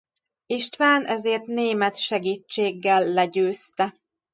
István ezért német segítséggel legyőzte.